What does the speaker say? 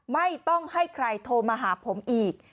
ไม่ต้องให้ใครโทรมาหาผมอีก